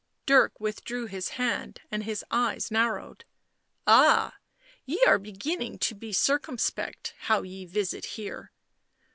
Dirk withdrew his hand, and his eyes narrowed. u Ah !— ye are beginning to be circumspect how ye visit here."